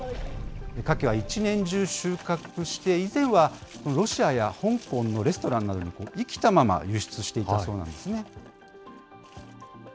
カキは一年中収穫して、以前はロシアや香港のレストランなどに生きたまま、輸出していたそうなんですね。